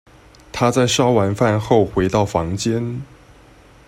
她在燒完飯後回到房間